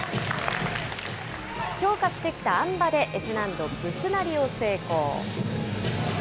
強化してきたあん馬でＦ難度、ブスナリを成功。